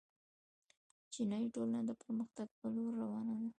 چینايي ټولنه د پرمختګ په لور روانه ده.